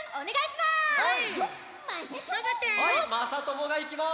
まさともがいきます！